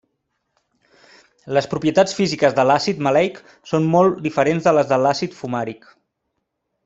Les propietats físiques de l'àcid maleic són molt diferents de les de l'àcid fumàric.